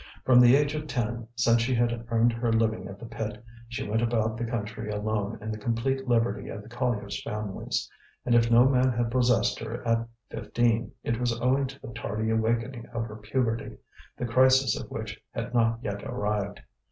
From the age of ten, since she had earned her living at the pit, she went about the country alone in the complete liberty of the colliers' families; and if no man had possessed her at fifteen it was owing to the tardy awakening of her puberty, the crisis of which had not yet arrived.